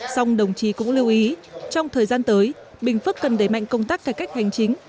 xong đồng chí cũng lưu ý trong thời gian tới bình phước cần đẩy mạnh công tác cải cách hành chính